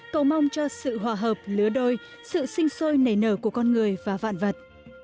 cầu mong cho sự hòa hợp lứa đôi sự sinh sôi nảy nở của con người và vạn vật